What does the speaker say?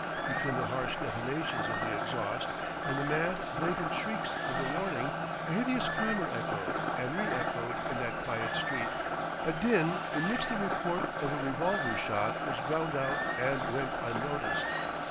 Between the harsh detonations of the exhaust and the mad, blatant shrieks of the warning, a hideous clamour echoed and re echoed in that quiet street a din in which the report of a revolver shot was drowned out and went unnoticed.